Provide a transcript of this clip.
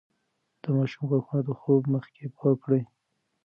د ماشوم غاښونه د خوب مخکې پاک کړئ.